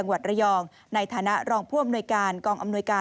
จังหวัดระยองในฐานะรองผู้อำนวยการกองอำนวยการ